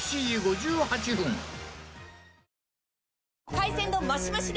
海鮮丼マシマシで！